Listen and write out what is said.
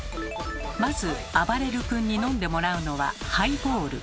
まずあばれる君に飲んでもらうのはハイボール。